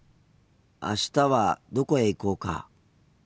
あしたはどこへ行こうか？